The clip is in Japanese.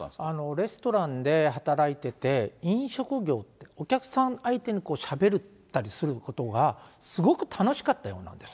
レストランで働いてて、飲食業って、お客さん相手にしゃべったりすることが、すごく楽しかったようなんです。